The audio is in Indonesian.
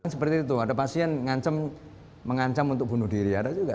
seperti itu ada pasien mengancam untuk bunuh diri ada juga